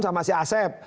sama si asep